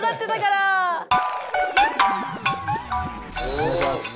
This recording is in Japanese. お願いします。